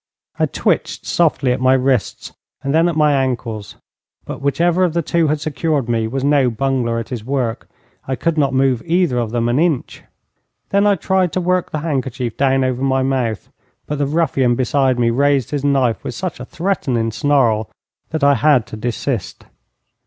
I twitched softly at my wrists, and then at my ankles, but whichever of the two had secured me was no bungler at his work. I could not move either of them an inch. Then I tried to work the handkerchief down over my mouth, but the ruffian beside me raised his knife with such a threatening snarl that I had to desist.